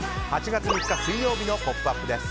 ８月３日、水曜日の「ポップＵＰ！」です。